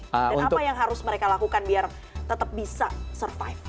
dan apa yang harus mereka lakukan biar tetap bisa survive